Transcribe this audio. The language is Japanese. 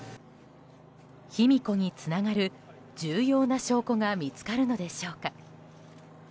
卑弥呼につながる重要な証拠が見つかるのでしょうか。